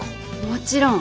もちろん。